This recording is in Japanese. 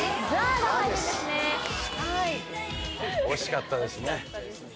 惜しかったですね。